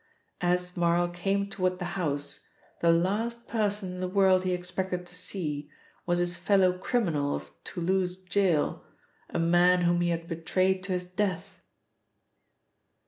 As Marl came toward the house the last person in the world he expected to see was his fellow criminal of Toulouse Gaol, a man whom he had betrayed to his death.